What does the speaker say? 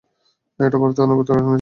এটা বার্তা আনুগত্যের এনেছে।